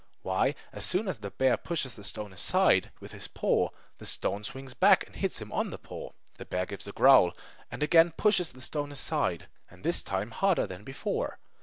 Why, as soon as the bear pushes the stone aside with his paw, the stone swings back and hits him on the paw. The bear gives a growl, and again pushes the stone aside, and this time harder than before.